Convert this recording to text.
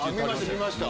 見ました。